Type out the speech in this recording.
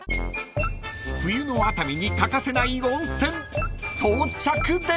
［冬の熱海に欠かせない温泉到着です］